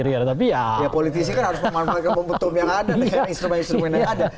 ya politisi kan harus memanfaatkan momentum yang ada dengan instrumen instrumen yang ada